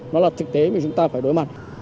nó là thực tế mà chúng ta phải đối mặt